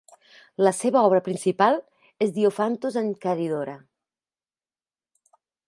La seva obra principal és "Diophantus and Charidora".